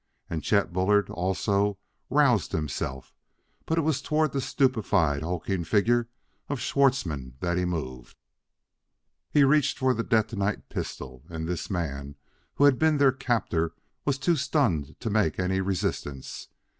And Chet Bullard also roused himself; but it was toward the stupefied, hulking figure of Schwartzmann that he moved. He reached for the detonite pistol, and this man who had been their captor was too stunned to make any resistance.